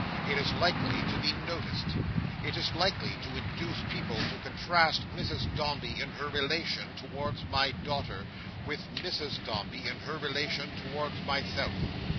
It is likely to be noticed. It is likely to induce people to contrast Mrs Dombey in her relation towards my daughter, with Mrs Dombey in her relation towards myself.